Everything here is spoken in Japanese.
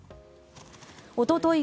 おととい